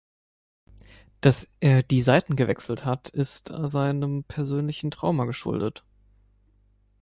Dass er die Seiten gewechselt hat, ist seinem persönlichen Trauma geschuldet.